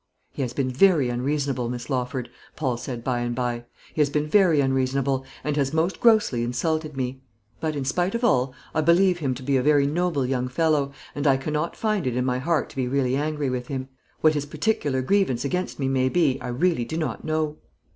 "He has been very unreasonable, Miss Lawford," Paul said by and by; "he has been very unreasonable, and has most grossly insulted me. But, in spite of all, I believe him to be a very noble young fellow, and I cannot find it in my heart to be really angry with him. What his particular grievance against me may be, I really do not know."